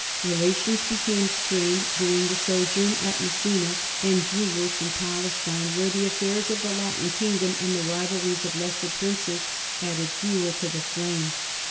Relations became strained during the sojourn at Messina and grew worse in Palestine, where the affairs of the Latin kingdom and the rivalries of lesser princes added fuel to the flame.